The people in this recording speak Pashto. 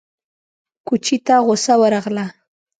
کوچي ته غوسه ورغله!